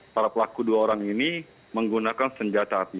para pelaku dua orang ini menggunakan senjata api